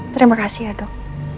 terima kasih ya dok